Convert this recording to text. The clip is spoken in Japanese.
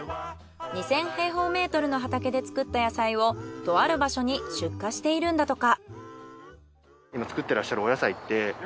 ２，０００平方メートルの畑で作った野菜をとある場所に出荷しているんだとか。